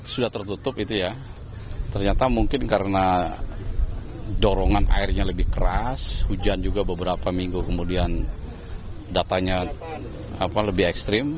sudah tertutup itu ya ternyata mungkin karena dorongan airnya lebih keras hujan juga beberapa minggu kemudian datanya lebih ekstrim